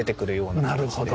なるほど。